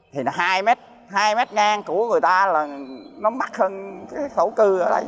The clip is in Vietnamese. thì nó hai mét hai mét ngang của người ta là nó mắc hơn cái thổ cư ở đây